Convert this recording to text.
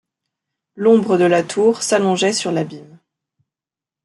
L’ombre de la tour s’allongeait sur l’abîme.